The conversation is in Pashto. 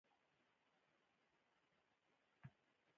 ښځه د ټولني په پرمختګ کي خاص نقش لري.